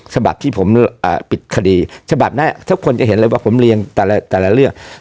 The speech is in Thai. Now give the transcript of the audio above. ฉบับที่ผมปิดคดีฉบับนี้ทุกคนจะเห็นเลยว่าผมเรียงแต่ละเรื่อง